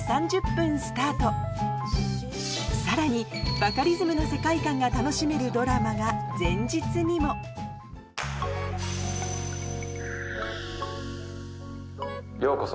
バカリズムの世界観が楽しめるドラマがようこそ